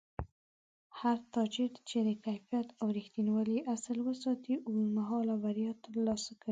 هر تاجر چې د کیفیت او رښتینولۍ اصول وساتي، اوږدمهاله بریا ترلاسه کوي